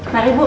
mari bu pak